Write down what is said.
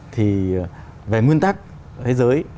thì về nguyên tắc thế giới